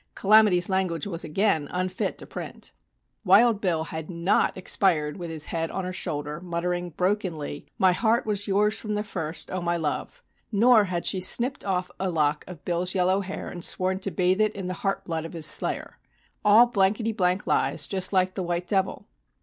"Calamity's" language was again unfit to print. "Wild Bill" had not expired with his head on her shoulder, muttering brokenly "My heart was yours from the first, oh my love!" Nor had she snipped off a lock of Bill's yellow hair and sworn to bathe it in the heart blood of his slayer. All blankety blank lies, just like the "White Devil."